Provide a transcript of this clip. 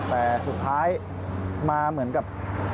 แต่สุดท้ายมาเหมือนกับ